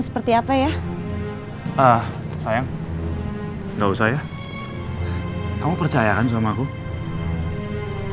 sekarang semuanya sudah habis